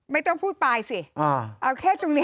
ไม่ต้องพูดปลายสิเอาแค่ตรงนี้